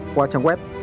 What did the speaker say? qua trang web